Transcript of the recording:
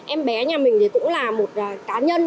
em bé nhà mình thì cũng là một cá nhân